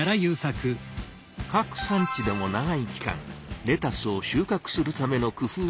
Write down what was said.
各産地でも長い期間レタスを収穫するための工夫が行われています。